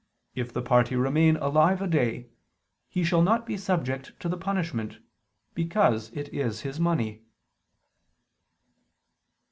. if the party remain alive a day ... he shall not be subject to the punishment, because it is his money."